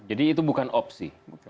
jadi itu bukan opsi